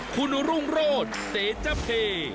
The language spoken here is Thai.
คุณรุ่งโรศเตะเจ้าเพย์